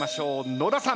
野田さん